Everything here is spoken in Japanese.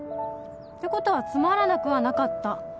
てことはつまらなくはなかった